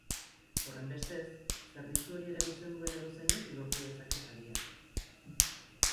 Horrenbestez, zerbitzu hori erabiltzen duen edozeinek lortu dezake saria.